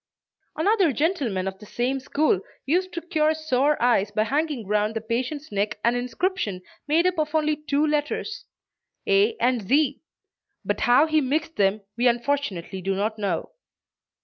Another gentleman of the same school used to cure sore eyes by hanging round the patient's neck an inscription made up of only two letters, A and Z; but how he mixed them we unfortunately do not know.